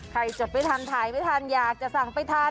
ใครสนใจอะไรอยากจะสั่งไปทาน